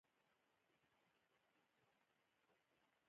ابدالي پنجاب ته را ورسېد.